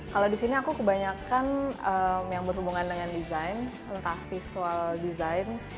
kalau di sini aku kebanyakan yang berhubungan dengan desain entah visual design